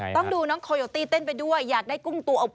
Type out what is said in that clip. ต้องดูน้องโคโยตี้เต้นไปด้วยอยากได้กุ้งตัวอบ